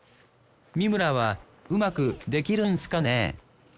三村はうまくできるんすかね？